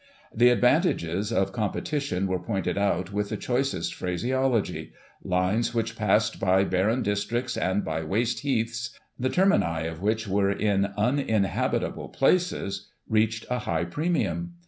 " The advantages of competition were pointed out, with the choicest phraseology. Lines which passed by barren districts, and by waste heaths, the termini of which were in uninhabit able places, reached a high premium.